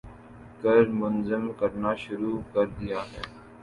کر منظم کرنا شروع کر دیا ہے۔